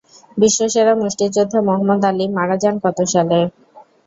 বিশ্বসেরা মুষ্টিযোদ্ধা Muhammad Ali মারা যান কত সালে?